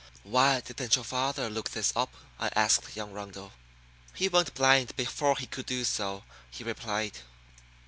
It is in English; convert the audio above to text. "Why didn't your father look this up?" I asked young Rundle. "He went blind before he could do so," he replied.